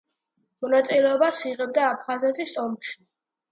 მონაწილეობას იღებდა აფხაზეთის ომში.